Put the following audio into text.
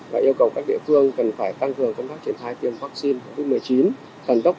và yêu cầu các địa phương cần phải tăng cường công tác triển thai tiêm vắc xin covid một mươi chín